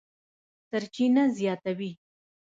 سرچینه زیاتوي،